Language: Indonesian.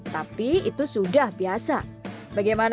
tapi itu sudah biasa